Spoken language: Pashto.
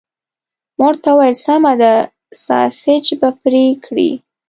ما ورته وویل: سمه ده، ساسیج به پرې کړي؟